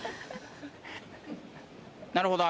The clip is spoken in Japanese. なるほど。